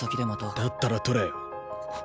だったらとれよ。